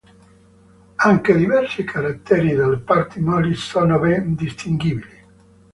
Anche diversi caratteri delle parti molli sono ben distinguibili.